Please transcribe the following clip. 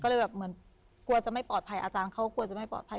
ก็เลยแบบเหมือนกลัวจะไม่ปลอดภัยอาจารย์เขากลัวจะไม่ปลอดภัย